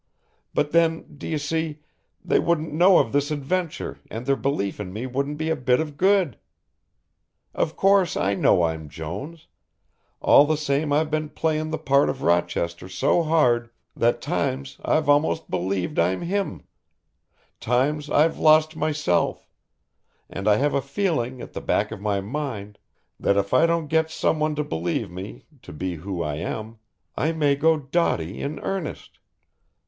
But then, do you see, they wouldn't know of this adventure and their belief in me wouldn't be a bit of good. Of course I know I'm Jones, all the same I've been playing the part of Rochester so hard that times I've almost believed I'm him, times I've lost myself, and I have a feeling at the back of my mind that if I don't get someone to believe me to be who I am, I may go dotty in earnest.